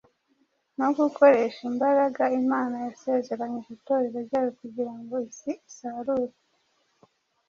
no gukoresha imbaraga Imana yasezeranije Itorero ryayo kugira ngo isi isarurwe.